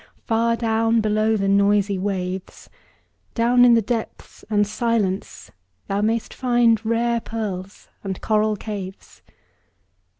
far down below the noisy waves, Down in the depths and silence thou mayst find Rare pearls and coral caves.